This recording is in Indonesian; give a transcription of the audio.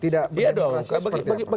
tidak beradabnya seperti apa